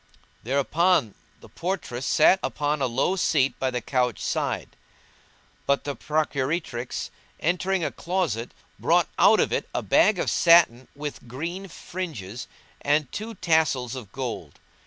Thereupon the portress sat upon a low seat by the couch side; but the procuratrix, entering a closet, brought out of it a bag of satin with green fringes and two tassels of gold.